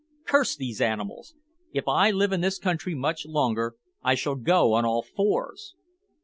Curse these animals! If I live in this country much longer, I shall go on all fours."